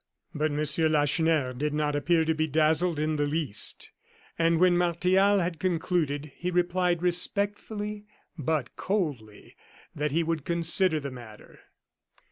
But M. Lacheneur did not appear to be dazzled in the least; and when Martial had concluded, he replied, respectfully, but coldly, that he would consider the matter.